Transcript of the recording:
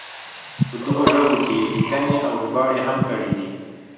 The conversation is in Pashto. په دغو ژبو کې یې لیکنې او ژباړې هم کړې دي.